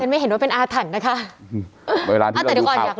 ฉันไม่เห็นว่าเป็นอาถรรพ์นะคะ